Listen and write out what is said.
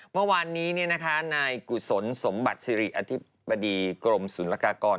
เมื่อวานนี้ในกุศลสมบัติศรีอธิบดีกรมศูนย์ลากากร